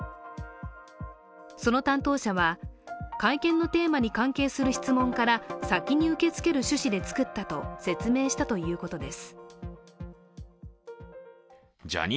その担当者は、会見のテーマに関係する質問から先に受け付ける趣旨で作ったと説明したということです。